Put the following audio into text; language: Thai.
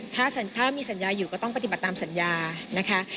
ถ้ามีสัญญาอยู่ก็ต้องปฏิบัติตามสัญญานะคะ